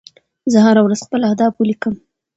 زه هره ورځ خپل اهداف ولیکم.